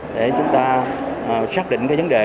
để chúng ta xác định cái vấn đề